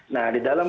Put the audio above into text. nah di dalam